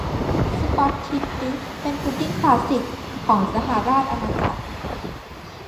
สป็อททิด ดิก เป็นพุดดิ้งคลาสสิกของสหราชอาณาจักร